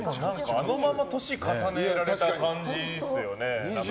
あのまま年重ねられた感じですよね。